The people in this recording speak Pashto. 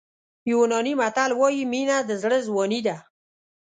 یوناني متل وایي مینه د زړه ځواني ده.